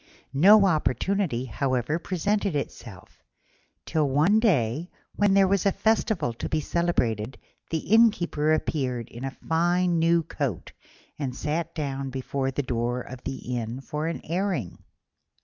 No opportunity, however, presented itself, till one day, when there was a festival to be celebrated, the Innkeeper appeared in a fine new coat and sat down before the door of the inn for an airing.